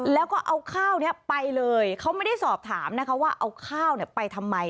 แล้วก็เอาข้าวนี้ไปเลยเขาไม่ได้สอบถามนะคะว่าเอาข้าวเนี่ยไปทำไม